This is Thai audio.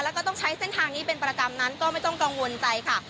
แล้วก็ต้องใช้เส้นทางนี้เป็นประจำนั้นก็ไม่ต้องกังวลใจค่ะ